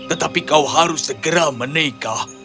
tetapi kau harus segera menikah